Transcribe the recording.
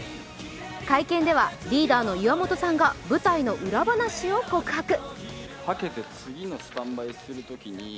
会見ではリーダーの岩本さんが舞台の裏話を告白。